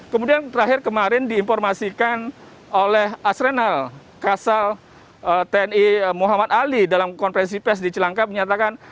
kemudian terakhir kemarin diinformasikan oleh asrenal kasal tni muhammad ali dalam konferensi pes di celangkap menyatakan